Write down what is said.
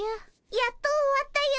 やっと終わったよ。